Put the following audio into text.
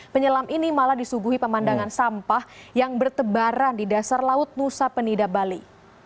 penyelam ini malah disuguhi pemandangan sampah yang bertebaran di dasar laut nusa penida bali